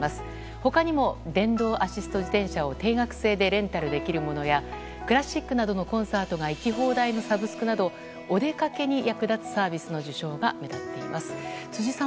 他にも、電動アシスト自転車を定額制でレンタルできるものやクラシックなどのコンサートが行き放題のサブスクなどお出かけに役立つサービスの受賞が目立っています。